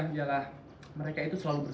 iyalah mereka itu selalu bersama pak